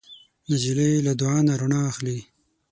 نجلۍ له دعا نه رڼا اخلي.